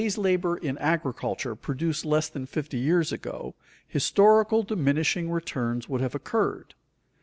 If to day a day's labor in agriculture produced less than fifty years ago, historical diminishing returns would have occurred.